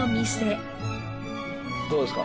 どうですか？